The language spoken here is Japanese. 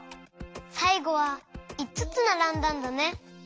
さいごはいつつならんだんだね。